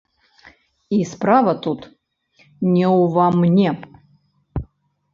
І справа тут не ўва мне.